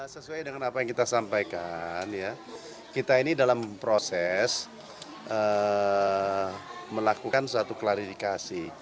sesuai dengan apa yang kita sampaikan kita ini dalam proses melakukan suatu klarifikasi